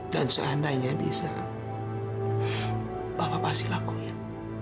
dan seandainya bisa bapak pasti lakuin